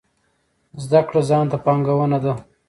زده کړه ځان ته پانګونه ده